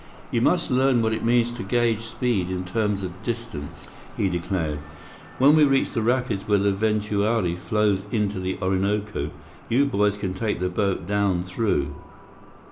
"You must learn what it means to gauge speed in terms of distance," he declared. "When we reach the rapids where the Ventuari flows into the Orinoco, you boys can take the boat down through."